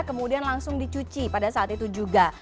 kemudian langsung dicuci pada saat itu juga